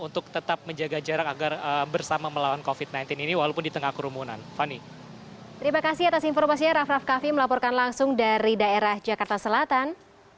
untuk tetap menjaga jarak agar bersama melawan covid sembilan belas ini walaupun di tengah kerumunan